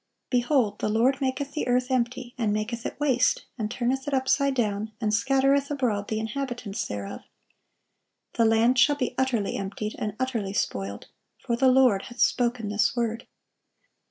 "Behold, the Lord maketh the earth empty, and maketh it waste, and turneth it upside down, and scattereth abroad the inhabitants thereof." "The land shall be utterly emptied, and utterly spoiled: for the Lord hath spoken this word."